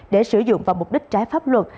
để sử dụng vào mục đích trái pháp luật